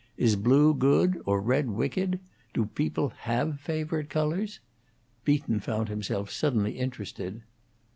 Is blue good, or red wicked? Do people have favorite colors?" Beaton found himself suddenly interested.